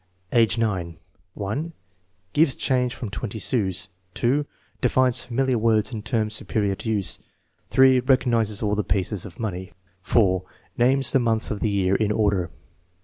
Age 9: 1, (Hves change from twenty sous. . Defines familiar words in terms superior to use. JJ. Recognises all the pieces of money. 4. Names the months of the year, in order.